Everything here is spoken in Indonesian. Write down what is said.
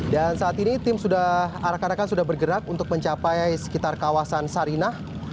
dan saat ini tim arakan arakan sudah bergerak untuk mencapai sekitar kawasan sarinah